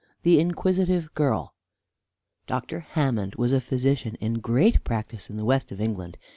THE INQUISITIVE GIRL Dr. Hammond was a physician in great practice in the West of England.